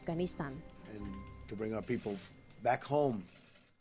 dan untuk membawa orang orang kita kembali ke rumah